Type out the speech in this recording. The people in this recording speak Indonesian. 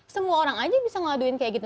semua orang aja bisa ngaduin kayak gitu